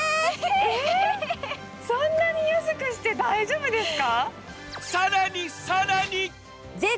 えー、そんなに安くして大丈夫ですか？